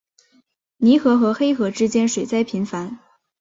泥河和黑河之间水灾频繁。